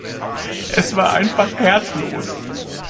Es war einfach herzlos!